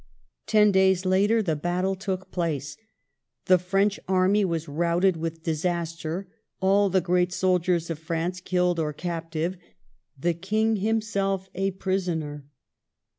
Ten days later the battle took place ; The French army was routed with disaster, all the great soldiers of France killed or captive, the King himself a prisoner.